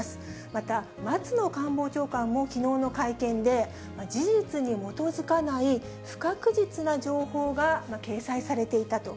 また、松野官房長官もきのうの会見で、事実に基づかない不確実な情報が掲載されていたと。